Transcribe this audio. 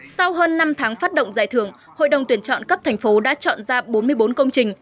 sau hơn năm tháng phát động giải thưởng hội đồng tuyển chọn cấp thành phố đã chọn ra bốn mươi bốn công trình